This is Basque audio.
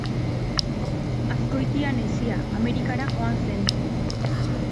Azkoitian hezia, Amerikara joan zen.